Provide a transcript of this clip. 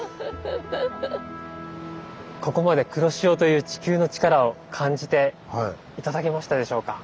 ここまで黒潮という地球のチカラを感じて頂けましたでしょうか？